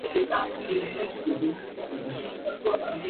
El crimen conmovió al ambiente del fútbol argentino.